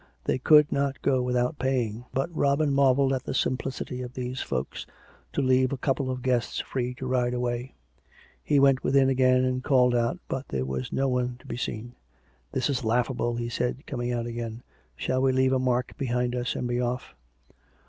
They could not go without paying; but Robin marvelled at the simplicity of these folks, to leave a couple of guests free to ride away; he went within again and called out, but there was no one to be seen. " This is laughable," he said, coming out again. " Shall we leave a mark behind us and be off."